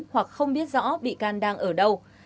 hoặc không biết rõ bị can đang ở đâu